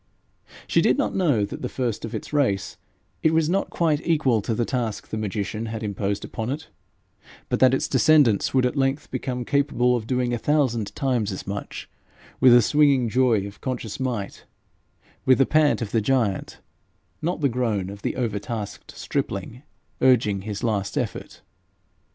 She did not know that, the first of its race, it was not quite equal to the task the magician had imposed upon it, but that its descendants would at length become capable of doing a thousand times as much, with the swinging joy of conscious might, with the pant of the giant, not the groan of the overtasked stripling urging his last effort.